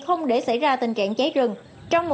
không để xảy ra tình trạng cháy rừng